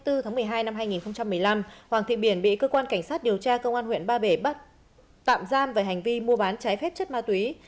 hai mươi tháng một mươi hai năm hai nghìn một mươi năm hoàng thị biển bị cơ quan cảnh sát điều tra công an huyện ba bể bắt tạm giam về hành vi mua bán trái phép chất ma túy